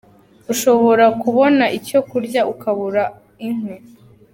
Ushobora kubona icyo kurya ukabura inkwi!